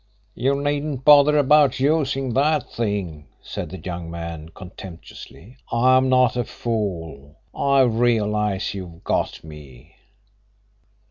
"You needn't bother about using that thing," said the young man contemptuously. "I'm not a fool; I realise you've got me."